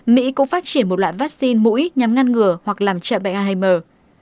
mỹ cũng phát triển một loại vắc xin mũi nhắm ngăn ngừa hoặc làm chậm bệnh alzheimer